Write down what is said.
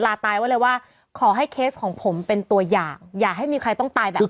ตายไว้เลยว่าขอให้เคสของผมเป็นตัวอย่างอย่าให้มีใครต้องตายแบบ